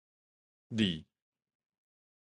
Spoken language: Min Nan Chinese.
裡